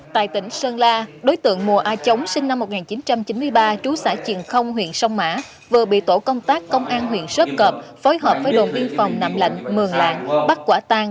tại tỉnh sơn la đối tượng mùa a chống sinh năm một nghìn chín trăm chín mươi ba trú xã triền không huyện sông mã vừa bị tổ công tác công an huyện sớp cập phối hợp với đồ biên phòng nằm lạnh mường lạng bắt quả tàn